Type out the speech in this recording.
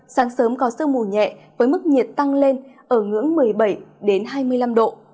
sáng sớm có sương mù nhẹ với mức nhiệt tăng lên ở ngưỡng một mươi bảy hai mươi năm độ